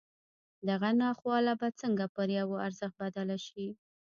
دغه ناخواله به څنګه پر يوه ارزښت بدله شي.